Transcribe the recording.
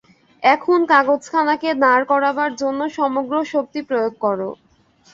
এখন কাগজখানাকে দাঁড় করবার জন্য সমগ্র শক্তি প্রয়োগ কর।